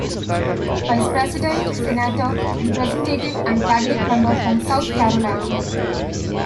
Vice-President, Senator, Representative and cabinet member from South Carolina.